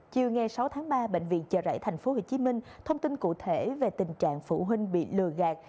chiều ngày sáu tháng ba bệnh viện chợ rẫy tp hcm thông tin cụ thể về tình trạng phụ huynh bị lừa gạt